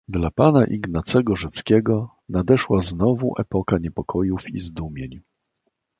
"Dla pana Ignacego Rzeckiego nadeszła znowu epoka niepokojów i zdumień."